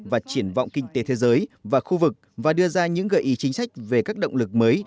và triển vọng kinh tế thế giới và khu vực và đưa ra những gợi ý chính sách về các động lực mới